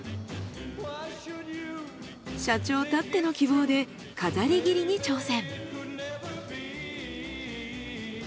社長たっての希望で飾り切りに挑戦。